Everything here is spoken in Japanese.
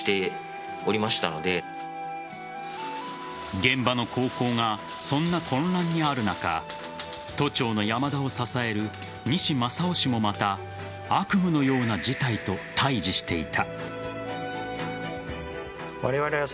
現場の高校がそんな混乱にある中都庁の山田を支える西雅生氏もまた悪夢のような事態と対峙していた。